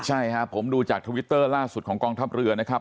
ใช่ครับผมดูจากทวิตเตอร์ล่าสุดของกองทัพเรือนะครับ